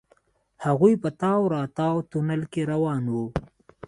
هغوئ په تاو راتاو تونل کې روان وو.